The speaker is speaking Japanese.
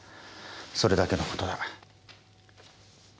それだけのことだ。